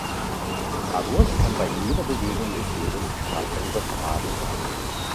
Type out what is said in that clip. Dadurch kann bei jeder Bewegung des Hebels Kraft übertragen werden.